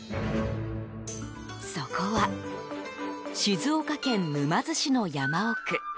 そこは、静岡県沼津市の山奥。